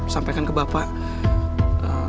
sampaikan ke bapak